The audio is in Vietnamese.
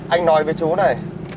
anh nói với chú này